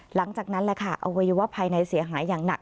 หลังจากนั้นแหละค่ะอวัยวะภายในเสียหายอย่างหนัก